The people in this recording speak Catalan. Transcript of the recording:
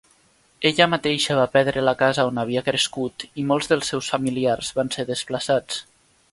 Ella mateixa va perdre la casa on havia crescut i molts dels seus familiars van ser desplaçats.